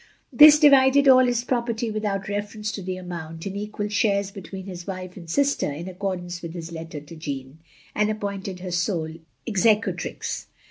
This divided all his property, without reference to the amotmt, in equal shares between his wife and sister, in accordance with his letter to Jeanne; and appointed her sole executrix.